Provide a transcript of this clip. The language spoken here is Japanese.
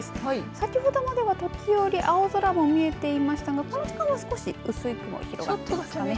先ほどまでは時折、青空も見えていましたがこの時間は少し薄い雲が広がっていますかね。